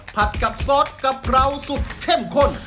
ผัดกับซอสกะเพราสุดเข้มข้น